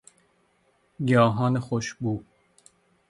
گیاهان خوشبو